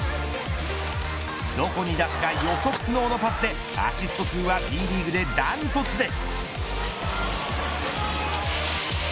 どこに出すか予測不能のパスでアシスト数はＢリーグでダントツです。